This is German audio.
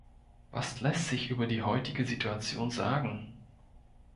Was lässt sich über die heutige Situation sagen?